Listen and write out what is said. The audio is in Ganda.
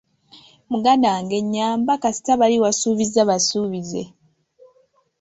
Muganda wange nnyamba kasita bali wasuubiza basuubize.